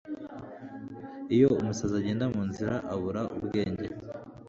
iyo umusazi agenda mu nzira abura ubwenge